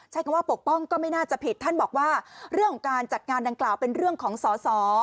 คำว่าปกป้องก็ไม่น่าจะผิดท่านบอกว่าเรื่องของการจัดงานดังกล่าวเป็นเรื่องของสอสอ